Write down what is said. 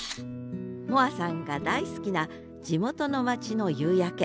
萌晏さんが大好きな地元の町の夕焼け。